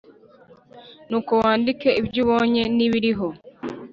Nuko wandike ibyo ubonye n’ibiriho,